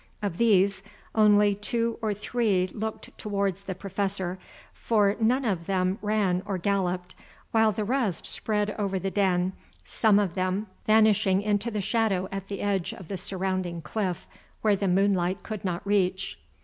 Of these only two or three looked towards the Professor, for none of them ran or galloped, while the rest spread over the den, some of them vanishing into the shadow at the edge of the surrounding cliff where the moonlight could not reach.